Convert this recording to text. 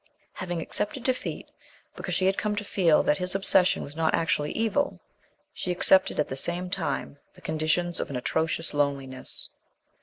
Having accepted defeat, because she had come to feel that his obsession was not actually evil, she accepted at the same time the conditions of an atrocious loneliness.